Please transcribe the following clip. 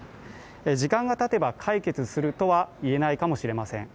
時間がたてば解決するとは言えないかもしれません。